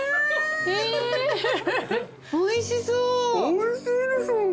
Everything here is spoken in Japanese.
おいしそう。